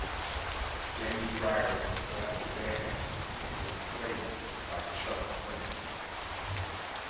Jamie Drier left the band and was replaced by Chuck French.